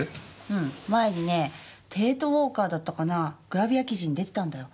うん前にね『帝都ウォーカー』だったかなグラビア記事に出てたんだよ。